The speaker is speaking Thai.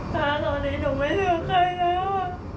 ถ้าตอนนี้หนูไม่เลือกใครแล้ว